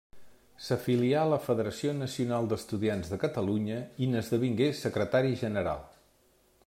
S'afilià a la Federació Nacional d'Estudiants de Catalunya i n'esdevingué secretari general.